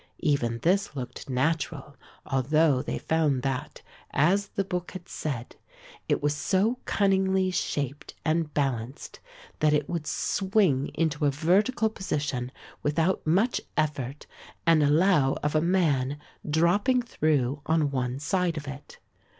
Even this looked natural although they found that, as the book had said, it was so cunningly shaped and balanced that it would swing into a vertical position without much effort and allow of a man dropping through on one side of it.